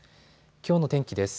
きょうの天気です。